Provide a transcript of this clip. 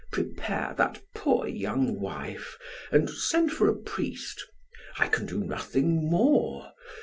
Prepare that poor, young wife and send for a priest. I can do nothing more.